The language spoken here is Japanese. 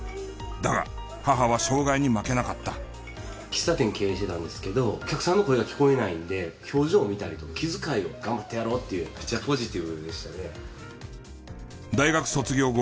喫茶店を経営してたんですけどお客さんの声が聞こえないので表情を見たりとか気遣いを頑張ってやろうっていうめっちゃポジティブでしたね。